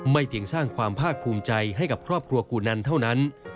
เพียงสร้างความภาคภูมิใจให้กับครอบครัวกูนันเท่านั้น